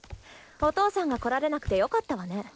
お父さんが来られなくて良かったわね。